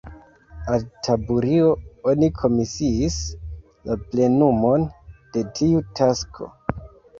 Al Taburio oni komisiis la plenumon de tiu tasko.